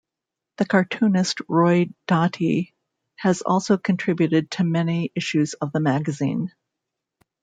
The cartoonist Roy Doty has also contributed to many issues of the magazine.